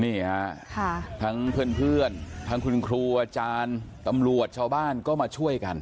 นี่ฮะทั้งเพื่อนทั้งคุณครูอาจารย์ตำรวจชาวบ้านก็มาช่วยกัน